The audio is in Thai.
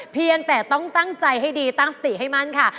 เพียงแต่ต้องตั้งใจให้ดีตั้งสติให้มั่นค่ะ